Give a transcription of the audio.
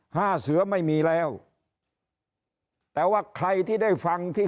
ห้าเสือไม่มีแล้วแต่ว่าใครที่ได้ฟังที่